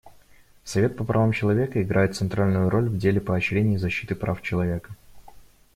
Совет по правам человека играет центральную роль в деле поощрения и защиты прав человека.